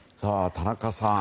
田中さん